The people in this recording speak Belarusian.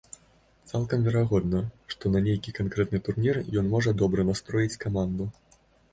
Цалкам верагодна, што на нейкі канкрэтны турнір ён можа добра настроіць каманду.